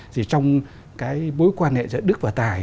thì trong cái bối quan hệ giữa đức và tài